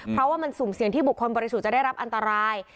เพราะว่ามันสุ่มเสี่ยงที่บุคคลบริสุทธิ์จะได้รับอันตราย